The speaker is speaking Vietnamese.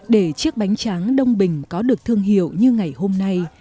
để chiếc bánh tráng đông bình có được thương hiệu như ngày hôm nay